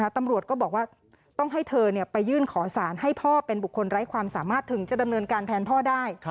ตำรวจก็บอกว่าต้องให้เธอไปยื่นขอสารให้พ่อเป็นบุคคลไร้ความสามารถถึงจะดำเนินการแทนพ่อได้